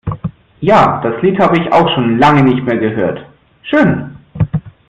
Ja, das Lied habe ich auch schon lange nicht mehr gehört. Schön!